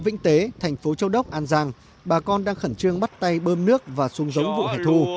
vĩnh tế thành phố châu đốc an giang bà con đang khẩn trương bắt tay bơm nước và xuống giống vụ hẻ thu